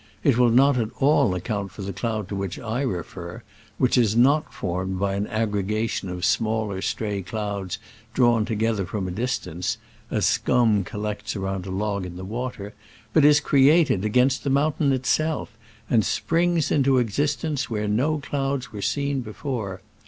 It will not at all account for the cloud to which I refer, which is not formed by an aggregation of smaller, stray clouds drawn together from a dis tance (as scum collects round a log in the water), but is created against the mountain itself, and springs into exist ence where no clouds were seen before.